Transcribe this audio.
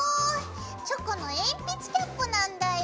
チョコの鉛筆キャップなんだよ。